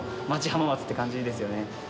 浜松って感じですよね。